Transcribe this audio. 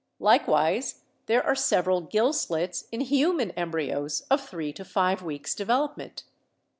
Likewise there are several gill slits in human embryos of three to five weeks' development.